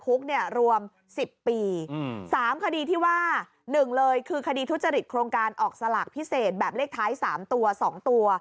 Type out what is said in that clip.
๑คดีทุจริตโครงการออกสลักพิเศษแบบเลขท้าย๓ตัว๒ตัว